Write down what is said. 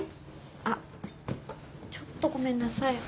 あっちょっとごめんなさいお手洗い